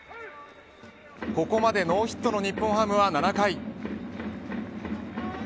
ここまでノーヒットの日本ハムは７回。